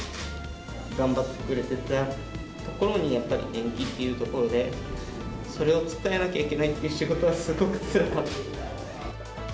頑張ってくれてたところに、やっぱり延期っていうところで、それを伝えなきゃいけないっていう仕事はすごくつらかった。